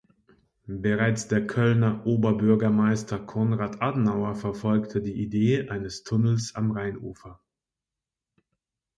Bereits der Kölner Oberbürgermeister Konrad Adenauer verfolgte die Idee eines Tunnels am Rheinufer.